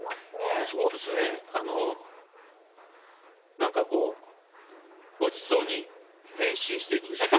なんかこうごちそうに変身していくでしょ。